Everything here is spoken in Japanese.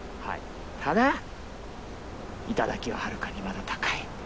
ただ頂ははるかにまだ高い。